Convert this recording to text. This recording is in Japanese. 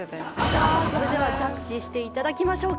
さあそれではジャッジして頂きましょうか。